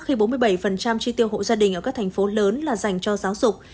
khi bốn mươi bảy chi tiêu hộ gia đình ở các thành phố lớn là dành cho giáo dục